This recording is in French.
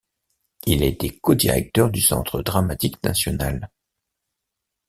Il a été codirecteur du Centre dramatique national.